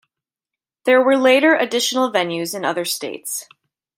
There were later additional venues in other states.